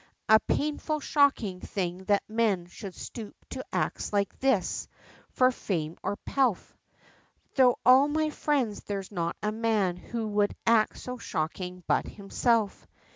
A painful shocking thing, that men should stoop to acts like this, for fame or pelf. Thro' all my friends there's not a man would act so shocking but himself.